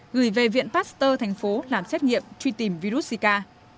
gửi về viện pasteur thành phố làm xét nghiệm truy tìm virus zika